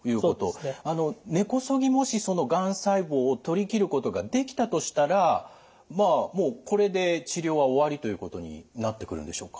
根こそぎもしがん細胞を取り切ることができたとしたらもうこれで治療は終わりということになってくるんでしょうか？